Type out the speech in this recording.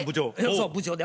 そう部長で。